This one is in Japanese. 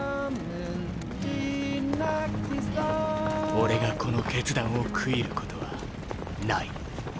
俺がこの決断を悔いることはない。